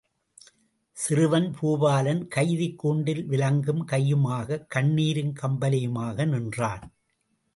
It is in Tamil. சிறுவன் பூபாலன் கைதிக் கூண்டில் விலங்கும் கையுமாக கண்ணீரும் கம்பலையுமாக நின்றான்.